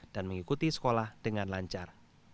dan mengikuti sekolah dengan lancar